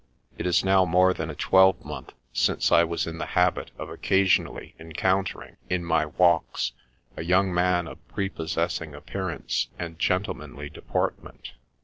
It is now more than a twelvemonth since I was in the habit of occasionally encountering in my walks a young man of prepossessing appear ance and gentlemanly deportment.